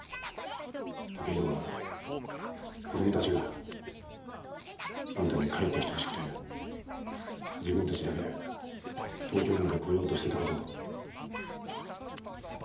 剛洋が子供たちがあんたに帰ってきてほしくて自分たちだけで東京まで来ようとしてたことを。